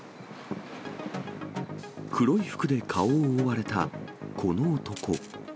黒い服で顔を覆われたこの男。